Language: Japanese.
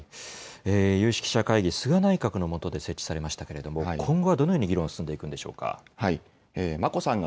有識者会議、菅内閣の下で設置されましたけれども、今後はどのように議論、進んでいくんでしょうか。